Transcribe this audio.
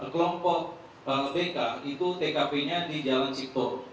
kelompok pk itu tkp nya di jalan cipto